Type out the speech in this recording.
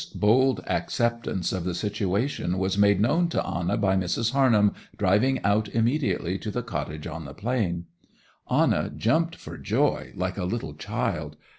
This bold acceptance of the situation was made known to Anna by Mrs. Harnham driving out immediately to the cottage on the Plain. Anna jumped for joy like a little child.